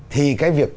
thì cái việc